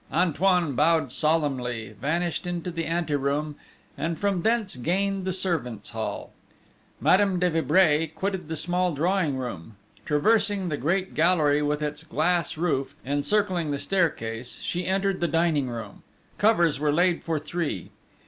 Antoine bowed solemnly, vanished into the anteroom, and from thence gained the servants' hall. Madame de Vibray quitted the small drawing room. Traversing the great gallery with its glass roof, encircling the staircase, she entered the dining room. Covers were laid for three.